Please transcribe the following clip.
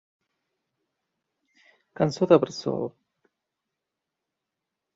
Cançó De Bressol.